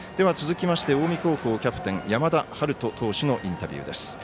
続きまして近江高校キャプテン山田陽翔投手のインタビューです。